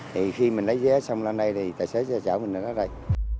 thì khi mình lấy vé xong lên đây thì tài xế sẽ chở mình đến đây